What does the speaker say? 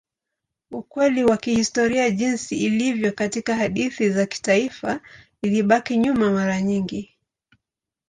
Ukweli wa kihistoria jinsi ilivyo katika hadithi za kitaifa ilibaki nyuma mara nyingi.